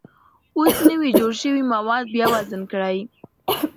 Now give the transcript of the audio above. اوس نوي جوړ شوي مواد بیا وزن کړئ.